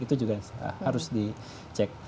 itu juga harus dicek